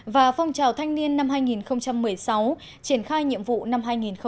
và phong trào thanh niên năm hai nghìn một mươi sáu triển khai nhiệm vụ năm hai nghìn hai mươi